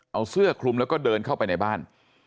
เอาเสื้อคลุมแล้วก็เดินเข้าไปในบ้าน